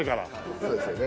そうですよね。